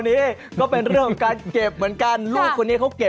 นี่๒ปีโอ้โห